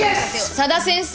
佐田先生